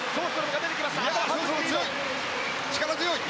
力強い。